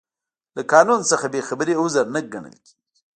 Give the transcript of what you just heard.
له قانون څخه بې خبري عذر نه ګڼل کیږي.